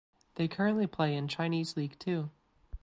They currently play in Chinese League Two.